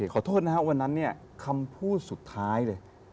ขอโทษนะครับวันนั้นเนี่ยคำพูดสุดท้ายเลย